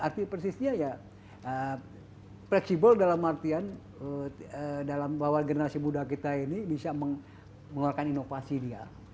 arti persisnya ya fleksibel dalam artian bahwa generasi muda kita ini bisa mengeluarkan inovasi dia